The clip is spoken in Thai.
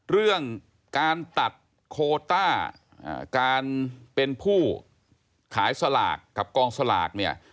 เรื่องการตัดโคต้าการเป็นผู้ขายสลากกับกองสลากเนี่ย